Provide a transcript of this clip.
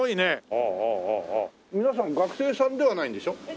皆さん学生さんではないんでしょ？